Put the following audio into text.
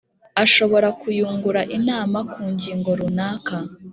Ashobora kuyungura inama ku ngingo runaka